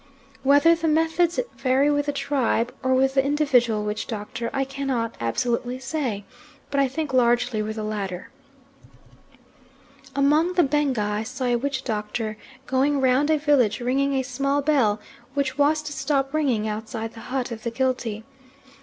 Whether the methods vary with the tribe, or with the individual witch doctor, I cannot absolutely say, but I think largely with the latter. Among the Benga I saw a witch doctor going round a village ringing a small bell which was to stop ringing outside the hut of the guilty.